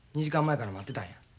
２時間前から待ってたんや。